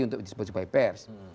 untuk disepersi oleh pers